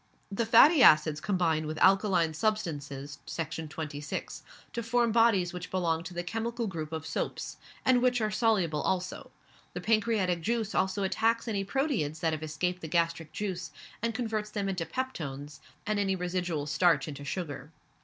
The fatty acids combine with alkaline substances (Section 26) to form bodies which belong to the chemical group of Soaps, and which are soluble also. The pancreatic juice also attacks any proteids that have escaped the gastric juice, and converts them into peptones, and any residual starch into sugar.